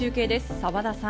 澤田さん。